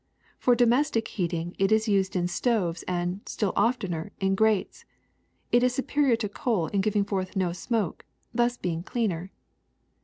For do mestic heating it is used in stoves and, still oftener, in grates. It is superior to coal in giving forth no smoke, thus being cleaner.